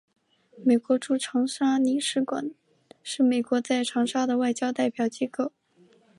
美国驻长沙领事馆是美国在长沙的外交代表机构。